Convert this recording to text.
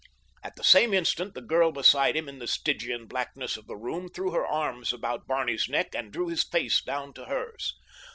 At the same instant the girl beside him in the Stygian blackness of the room threw her arms about Barney's neck and drew his face down to hers.